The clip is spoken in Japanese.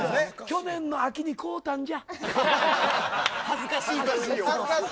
去年の秋に買うたんじゃ。